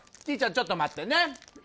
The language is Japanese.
ちょっと待ってね！